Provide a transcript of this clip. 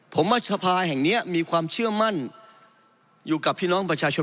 ผมว่าสภาแห่งนี้มีความเชื่อมั่นอยู่กับพี่น้องประชาชน